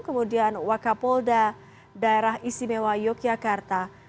kemudian wakapolda daerah istimewa yogyakarta